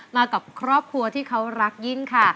มากับครอบครัวที่เขารักยิ่งค่ะ